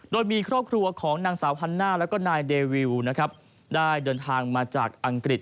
โดยมีครอบครัวของนางสาวฮันน่าแล้วก็นายเดวิวนะครับได้เดินทางมาจากอังกฤษ